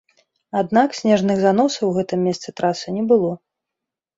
Аднак снежных заносаў у гэтым месцы трасы не было.